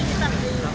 selama satu minggu